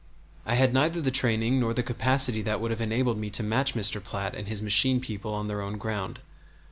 I had neither the training nor the capacity that would have enabled me to match Mr. Platt and his machine people on their own ground.